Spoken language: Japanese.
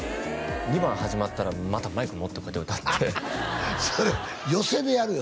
２番始まったらまたマイク持ってこうやって歌ってそれ寄席でやるよ